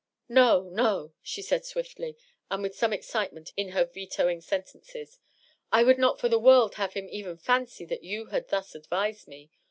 " No, no," she said swiftly, and with some excitement in her veto ing sentences. " I would not for the world have him even fancy that you had thus advised me.